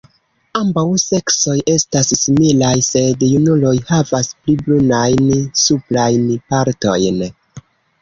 Ambaŭ seksoj estas similaj, sed junuloj havas pli brunajn suprajn partojn.